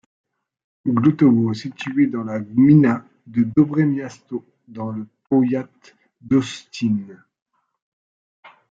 Głotowo est situé dans la gmina de Dobre Miasto, dans le powiat d'Olsztyn.